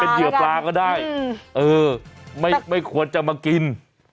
เหยื่อปลาก็ได้เออไม่ควรจะมากิน